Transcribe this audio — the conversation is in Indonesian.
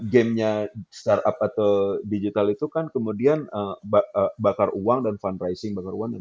game nya startup atau digital itu kan kemudian bakar uang dan fundraising